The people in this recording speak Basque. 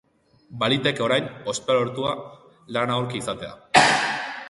Baliteke orain, ospea lortua, lana aurki izatea.